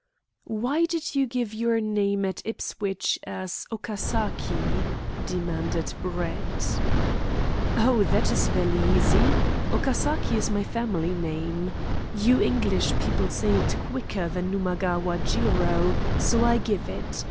"Why did you give your name at Ipswich as Okasaki?" demanded Brett. "Oh, that is vely easy. Okosaki is my family name. You English people say it quicker than Numaguwa Jiro, so I give it.